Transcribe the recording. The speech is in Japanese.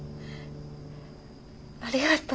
ありがとう。